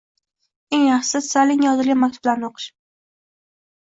Eng yaxshisi, Stalinga yozilgan maktublarni o’qish.